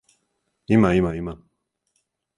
Има, има, има!